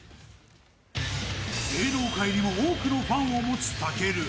芸能界にも多くファンを持つ武尊